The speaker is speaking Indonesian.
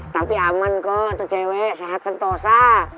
tapi aman kok atau cewek sehat sentosa